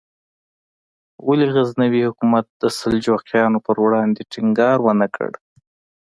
ولې غزنوي حکومت د سلجوقیانو پر وړاندې ټینګار ونکړ؟